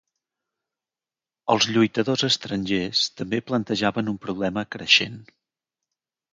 Els lluitadors estrangers també plantejaven un problema creixent.